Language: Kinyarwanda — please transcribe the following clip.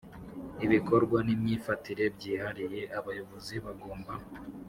Ibikorwa n imyifatire byihariye abayobozi bagomba